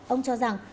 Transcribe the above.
ông cho rằng